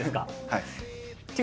はい。